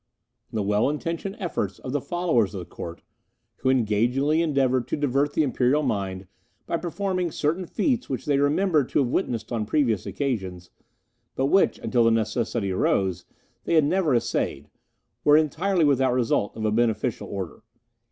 The well intentioned efforts of the followers of the Court, who engagingly endeavoured to divert the Imperial mind by performing certain feats which they remembered to have witnessed on previous occasions, but which, until the necessity arose, they had never essayed, were entirely without result of a beneficial order.